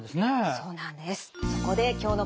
そうなんです。